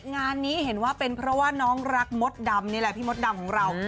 งานนี้เห็นว่าเป็นเพราะว่าน้องรักมดดำนี่แหละพี่มดดำของเรา